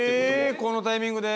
このタイミングで？